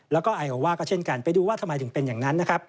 แล้วก็ไอโอว่าก็เช่นกันไปดูว่าทำไมถึงเป็นอย่างนั้นนะครับ